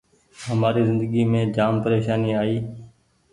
همآري زندگي مينٚ جآم پريشاني آئي